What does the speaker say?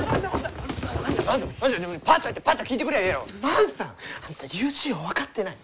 万さんあんたユーシーを分かってない！